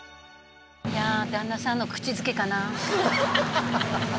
旦那さんの口づけかな？